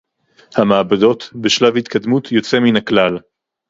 המעבדות בשלב התקדמות יוצא מן הכלל